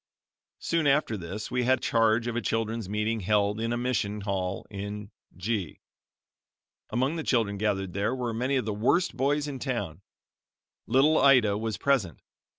Soon after this we had charge of a children's meeting held in a mission hall in G . Among the children gathered there were many of the worst boys in town. Little Ida was present.